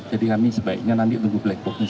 jadi kami sebaiknya nanti tunggu black box nya saja